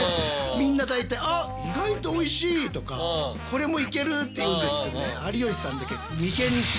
みんな大体「あっ意外とおいしい」とか「これもいける」って言うんですけどね